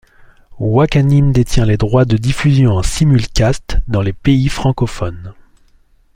Wakanim détient les droits de diffusion en simulcast dans les pays francophones.